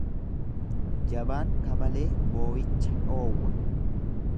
Jabaan kabalee booyicha dhoowwa.